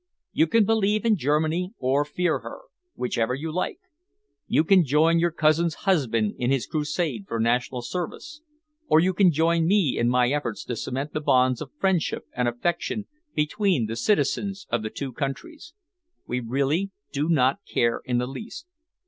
You can believe in Germany or fear her whichever you like. You can join your cousin's husband in his crusade for National Service, or you can join me in my efforts to cement the bonds of friendship and affection between the citizens of the two countries. We really do not care in the least.